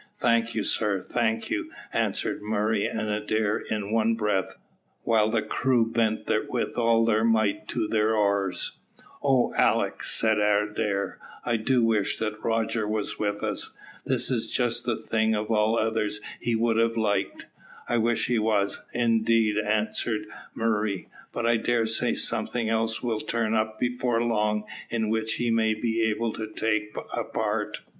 "Thank you, sir, thank you," answered Murray and Adair in one breath, while their crew bent with all their might to their oars. "Oh, Alick," said Adair, "I do so wish that Rogers was with us. This is just the thing of all others he would have liked." "I wish he was, indeed," answered Murray. "But I dare say something else will turn up before long in which he may be able to take a part."